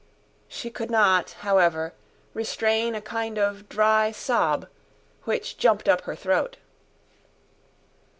She could not, however, restrain a kind of dry sob, which jumped up her throat.